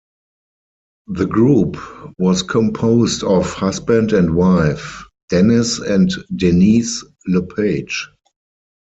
The group was composed of husband and wife Denis and Denyse LePage.